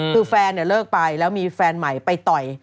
คือแฟนเลิกไปแล้วมีแฟนใหม่ไปต่อย